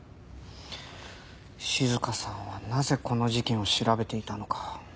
静香さんはなぜこの事件を調べていたのか。